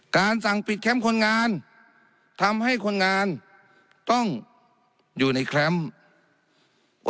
สั่งปิดแคมป์คนงานทำให้คนงานต้องอยู่ในแคมป์